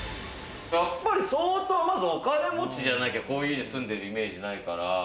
やっぱり相当、まず、お金持ちじゃないと、こういう家に住んでるイメージないから。